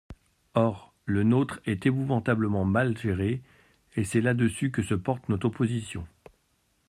Or, le nôtre est épouvantablement mal géré, et c’est là-dessus que porte notre opposition.